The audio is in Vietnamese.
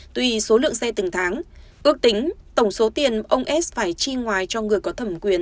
tùy số lượng xe từng tháng ước tính tổng số tiền ông s phải chi ngoài cho người có thẩm quyền